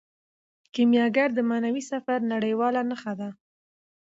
کیمیاګر د معنوي سفر نړیواله نښه ده.